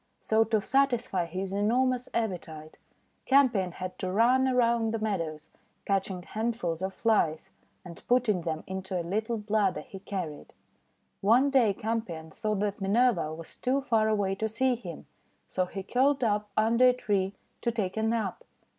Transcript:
So, to satisfy his enormous appetite, Campion had to run around the meadows, catching hand fuls of Flies, and putting them into a little bladder he carried. One day Campion thought that Minerva was too far away to see him, so he curled up under a tree to take a nap.